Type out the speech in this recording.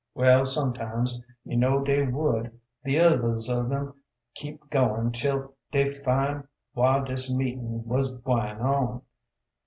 Well, sometimes, you know dey would, the others of 'em, keep going 'til dey fin' whar dis meeting wuz gwine on.